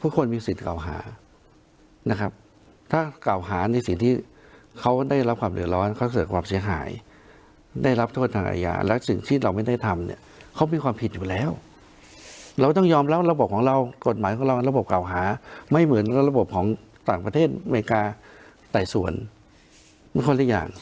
คนมีสิทธิ์เก่าหานะครับถ้ากล่าวหาในสิ่งที่เขาได้รับความเดือดร้อนเขาเกิดความเสียหายได้รับโทษทางอาญาและสิ่งที่เราไม่ได้ทำเนี่ยเขามีความผิดอยู่แล้วเราต้องยอมรับระบบของเรากฎหมายของเราระบบเก่าหาไม่เหมือนระบบของต่างประเทศอเมริกาไต่สวนไม่ค่อย